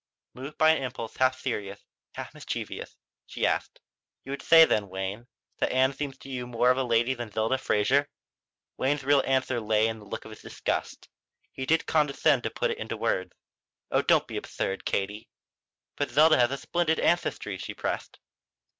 Moved by an impulse half serious, half mischievous she asked: "You would say then, Wayne, that Ann seems to you more of a lady than Zelda Fraser?" Wayne's real answer lay in his look of disgust. He did condescend to put into words: "Oh, don't be absurd, Katie." "But Zelda has a splendid ancestry," she pressed.